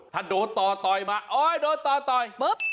ถ้าโดนต่อต่อยมาโอ๊ยโดนต่อต่อยปุ๊บ